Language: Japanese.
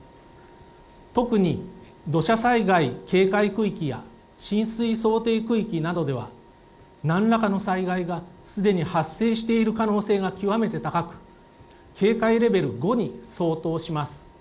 特に土砂災害警戒区域や浸水想定区域などでは、なんらかの災害がすでに発生している可能性が極めて高く、警戒レベル５に相当します。